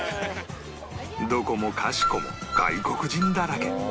どこもかしこも外国人だらけ